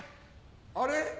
あれ？